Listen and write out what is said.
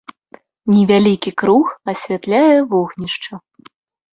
Невялікі круг асвятляе вогнішча.